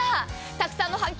たくさんの反響